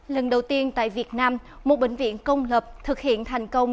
lần đầu tiên tại việt nam một bệnh viện công lập thực hiện thành công